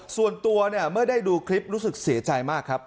ส่วนตัวเนี่ยเมื่อได้ดูคลิปรู้สึกเสียใจมากครับ